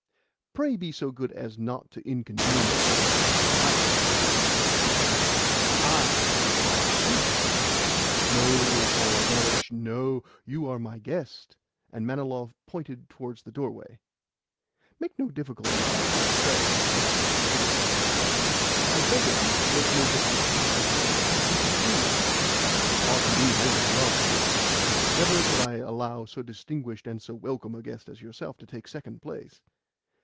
"Pray be so good as not to inconvenience yourself on my account," said Chichikov. "I will follow YOU." "No, Paul Ivanovitch no! You are my guest." And Manilov pointed towards the doorway. "Make no difficulty about it, I pray," urged Chichikov. "I beg of you to make no difficulty about it, but to pass into the room." "Pardon me, I will not. Never could I allow so distinguished and so welcome a guest as yourself to take second place."